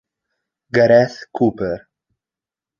Gareth Cooper